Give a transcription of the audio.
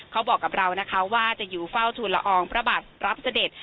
เขาบอกกับเรานะคะว่าจะอยู่เฝ้าทุนละอองพระบาทรับเสด็จ